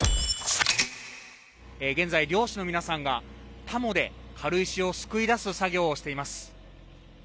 現在、漁師の皆さんがタモで軽石を救い出す作業をしています。